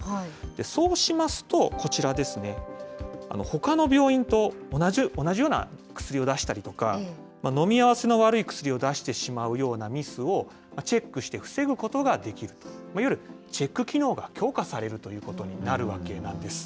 そうしますと、こちらですね、ほかの病院と同じような薬を出したりとか、飲み合わせの悪い薬を出してしまうようなミスを、チェックして防ぐことができる、いわゆるチェック機能が強化されるということになるわけなんです。